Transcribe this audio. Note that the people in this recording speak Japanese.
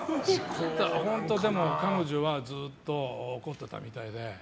本当、彼女はずっと怒っていたみたいで。